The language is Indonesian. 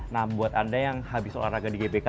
nah buat anda yang habis olahraga di gbk